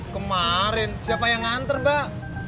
kemarin siapa yang nganter mbak